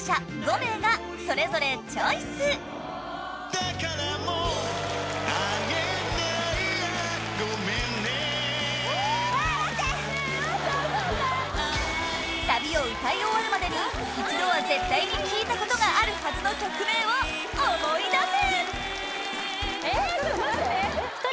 だからもう会えないやごめんねサビを歌い終わるまでに一度は絶対に聴いたことがあるはずの曲名を思い出せ！